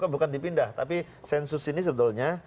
bukan dipindah tapi sensus ini sebetulnya